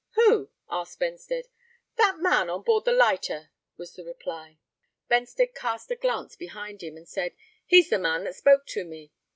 "Who?" asked Benstead. "That man on board the lighter," was the reply. Benstead cast a glance behind him, and said, "He's the man that spoke to me."